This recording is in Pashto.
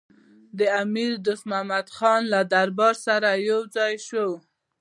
د امیر دوست محمدخان له دربار سره یو ځای شو.